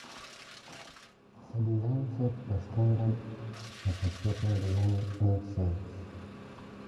This design set the standard for subsequent one-inch series.